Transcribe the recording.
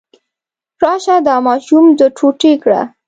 راشه دا ماشوم دوه ټوټې کړه.